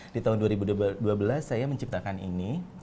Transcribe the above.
di tahun dua ribu dua belas saya menciptakan ini